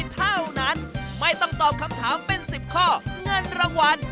ต้องตอบคำถามเป็น๑๐ข้อเงินรางวัล